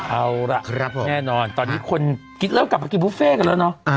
เอาล่ะแน่นอนตอนนี้คนคิดเริ่มกลับมากินบุฟเฟ่กันแล้วเนาะ